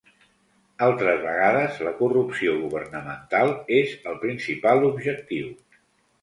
Altres vegades, la corrupció governamental és el principal objectiu.